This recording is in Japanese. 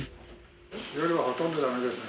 夜はほとんどだめですね。